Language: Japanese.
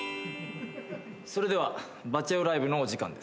それではバチェ男ライブのお時間です。